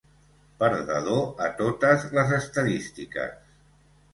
Perdedor a totes les estadístiques.